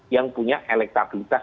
yang punya elektabilitas